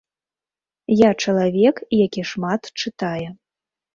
Я чалавек, які шмат чытае.